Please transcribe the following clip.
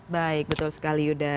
baik betul sekali yuda